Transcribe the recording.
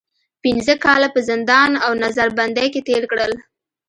پنځه کاله په زندان او نظر بندۍ کې تېر کړل.